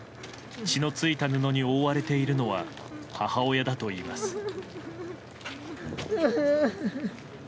血の付いた布に覆われているのは母親だといいます。